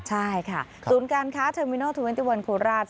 ใช่ค่ะศูนย์การค้าเทอร์เมนอล๒๑โคราช